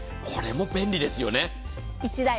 これも便利ですよね。